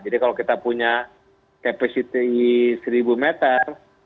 jadi kalau kita punya capacity seribu meter